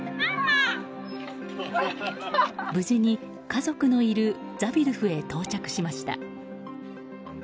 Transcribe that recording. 無事に家族のいるザビドゥフへ到着しました。